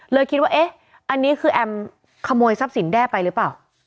คิดว่าเอ๊ะอันนี้คือแอมขโมยทรัพย์สินแด้ไปหรือเปล่า